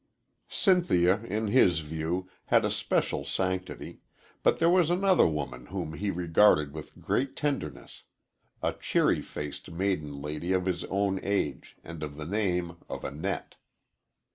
Cynthia, in his view, had a special sanctity, but there was another woman whom he regarded with great tenderness a cheery faced maiden lady of his own age and of the name of Annette.